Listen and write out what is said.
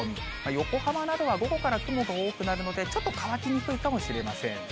横浜などは午後から雲が多くなるので、ちょっと乾きにくいかもしれません。